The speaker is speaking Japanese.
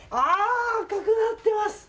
赤くなってます！